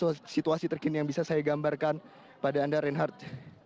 apa situasi terkini yang bisa saya gambarkan pada anda reinhardt